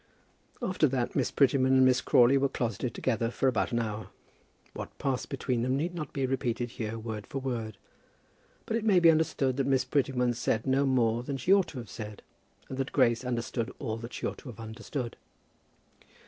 After that Miss Prettyman and Miss Crawley were closeted together for about an hour. What passed between them need not be repeated here word for word; but it may be understood that Miss Prettyman said no more than she ought to have said, and that Grace understood all that she ought to have understood.